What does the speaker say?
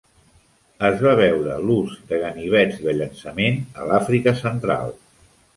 Es va veure l"ús de ganivets de llançament a l'Àfrica central.